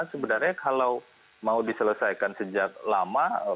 sebenarnya kalau mau diselesaikan sejak lama